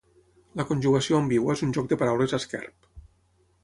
La conjugació ambigua és un joc de paraules esquerp.